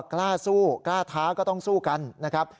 กล้าสู้กล้าท้าก็ต้องสู้กันนะครับ